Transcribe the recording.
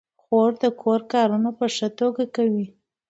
خور د کور کارونه په ښه توګه کوي.